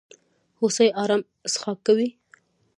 هوسۍ ارام څښاک کوي.